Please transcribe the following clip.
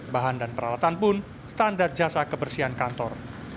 bahan dan peralatan pun standar jasa kebersihan kantor